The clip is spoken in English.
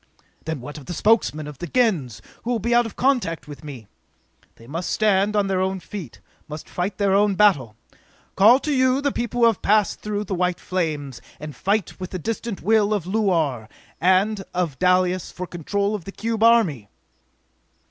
"Then what of the Spokesmen of the Gens, who will be out of contact with me?" "They must stand on their own feet, must fight their own battle! Call to you the people who have passed through the white flames, and fight with the distant will of Luar and of Dalis for control of the cube army!"